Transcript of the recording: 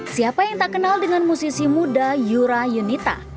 siapa yang tak kenal dengan musisi muda yura yunita